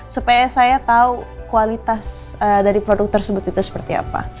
supaya saya tahu kualitas dari produk tersebut itu seperti apa